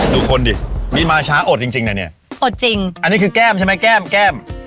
ดูคนดินี่มาช้าอดจริงจริงนะเนี่ยอดจริงอันนี้คือแก้มใช่ไหมแก้มแก้ม